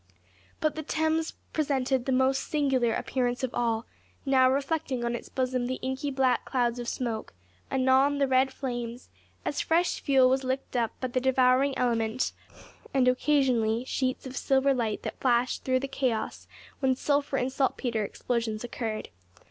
But the Thames presented the most singular appearance of all now reflecting on its bosom the inky black clouds of smoke; anon the red flames, as fresh fuel was licked up by the devouring element, and, occasionally, sheets of silver light that flashed through the chaos when sulphur and saltpetre explosions occurred.